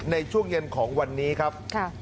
ในช่วงเย็นของวันนี้ครับ